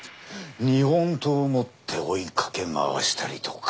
日本刀持って追いかけまわしたりとか。